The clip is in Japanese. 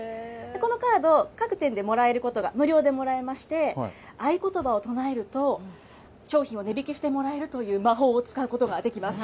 このカード、各店でもらえることが、無料でもらえまして、合言葉を唱えると、商品を値引きしてもらえるという魔法を使うことができます。